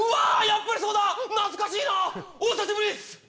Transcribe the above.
やっぱりそうだ懐かしいなお久しぶりです